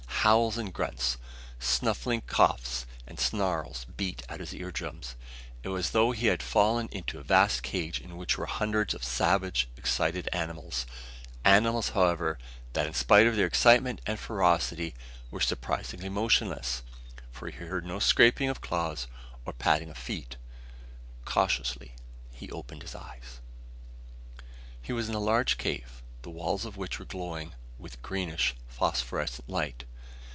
Howls and grunts, snuffling coughs and snarls beat at his ear drums. It was as though he had fallen into a vast cage in which were hundreds of savage, excited animals animals, however, that in spite of their excitement and ferocity were surprisingly motionless, for he heard no scraping of claws, or padding of feet. Cautiously he opened his eyes.... He was in a large cave, the walls of which were glowing with greenish, phosphorescent light.